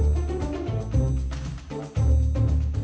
เพื่อนรับทราบ